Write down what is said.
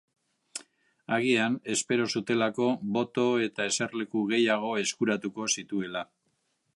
Agian, espero zutelako boto eta eserleku gehiago eskuratuko zituela.